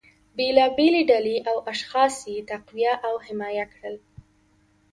بیلابیلې ډلې او اشخاص یې تقویه او حمایه کړل